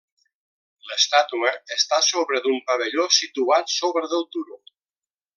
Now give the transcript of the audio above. L'estàtua està sobre d'un pavelló situat sobre del turó.